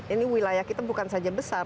ini wilayah kita bukan saja besar